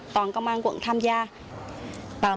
toàn công an quận tham gia